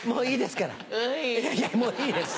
いやいやもういいです。